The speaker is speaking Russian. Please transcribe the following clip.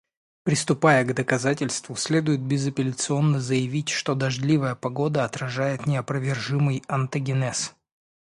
Приступая к доказательству следует безапелляционно заявить, что дождливая погода отражает неопровержимый онтогенез.